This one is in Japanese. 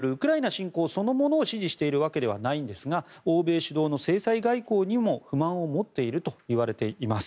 ただ、こうした国々もロシアによるウクライナ侵攻そのものを支持しているわけではないんですが欧米主導の制裁外交にも不満を持っているといわれています。